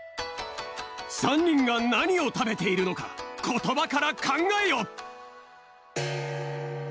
３にんがなにをたべているのかことばからかんがえよ！